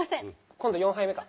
今度４杯目か？